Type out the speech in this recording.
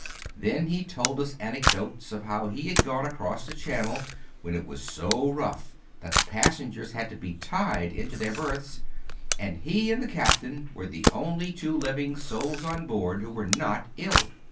Then he told us anecdotes of how he had gone across the Channel when it was so rough that the passengers had to be tied into their berths, and he and the captain were the only two living souls on board who were not ill.